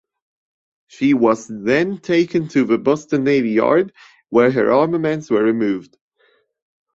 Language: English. She was then taken to the Boston Navy Yard, where her armaments were removed.